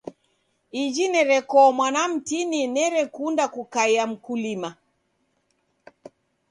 Iji nerekoo mwana mtini nerekunda kukaia mkulima.